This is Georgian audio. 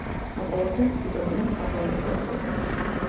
ატარებდა მშვიდობიან საგარეო პოლიტიკას.